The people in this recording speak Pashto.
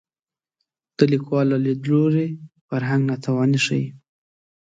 د لیکوال له لید لوري فرهنګ ناتواني ښيي